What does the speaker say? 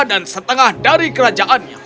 dan setengah dari kerajaannya